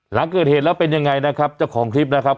หลังเกิดเหตุแล้วเป็นยังไงนะครับเจ้าของคลิปนะครับ